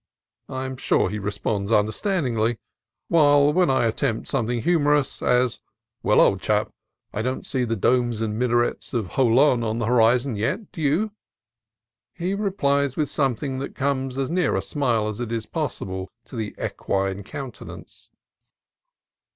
I am sure he responds understandingly; while when I attempt something humorous, as "Well, old chap, I don't INTELLIGENCE OF CHINO 179 see the domes and minarets of Jolon on the horizon yet, do you?" he replies with something that comes as near a smile as is possible to the equine counte nance.